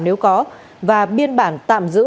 nếu có và biên bản tạm giữ